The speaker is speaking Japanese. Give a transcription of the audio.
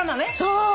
そう！